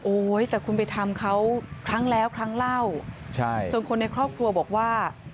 แต่คุณไปทำเขาครั้งแล้วครั้งเล่าจนคนในครอบครัวบอกว่า